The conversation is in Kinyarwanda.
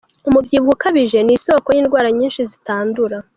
Umubyibuho ukabije ni isoko y’indwara nyinshi zitandura.